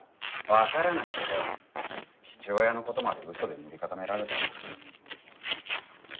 分からないけど父親のことまで嘘で塗り固められたら。